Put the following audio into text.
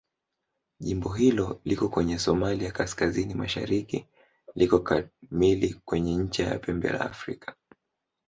Jimbo hili liko kwenye Somalia kaskazini-mashariki liko kamili kwenye ncha ya Pembe la Afrika.